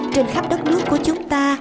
trên khắp đất nước của chúng ta